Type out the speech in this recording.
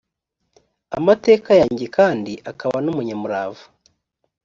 amateka yanjye kandi akaba n umunyamurava